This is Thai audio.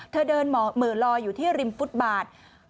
เธอเดินเหมือลอยอยู่ที่ริมฟุตบาท